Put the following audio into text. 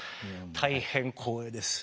大変光栄です。